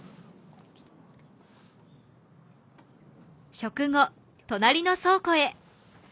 食後隣の倉庫へ。